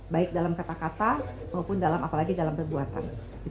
baik dalam kata kata maupun dalam apalagi dalam perbuatan